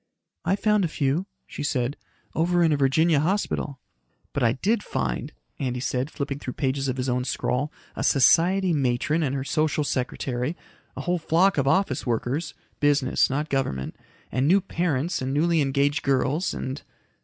"I found a few," she said. "Over in a Virginia hospital." "But I did find," Andy said, flipping through pages of his own scrawl, "a society matron and her social secretary, a whole flock of office workers business, not government and new parents and newly engaged girls and...."